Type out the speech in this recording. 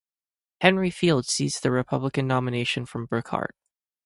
Henry Field seized the Republican nomination from Brookhart.